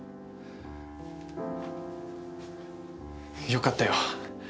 よかったよ。